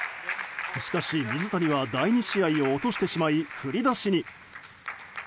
しかし、水谷は第２試合を落としてしまい振り出しに。